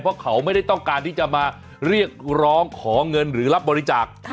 เพราะเขาไม่ได้ต้องการที่จะมาเรียกร้องขอเงินหรือรับบริจาค